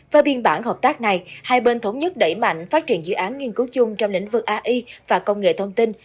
về biên bản hợp tác này hai bên thống nhất đẩy mạnh phát triển dự án nghiên cứu chung trong lĩnh vực ai và công nghệ thông tin